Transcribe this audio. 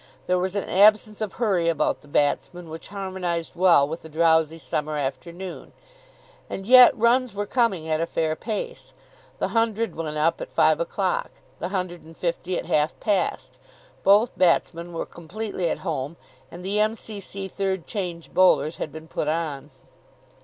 There was an absence of hurry about the batsmen which harmonised well with the drowsy summer afternoon. And yet runs were coming at a fair pace. The hundred went up at five o'clock, the hundred and fifty at half past. Both batsmen were completely at home, and the M.C.C. third change bowlers had been put on.